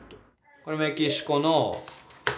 これメキシコの。